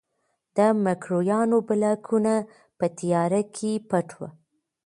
د مکروریانو بلاکونه په تیاره کې پټ وو.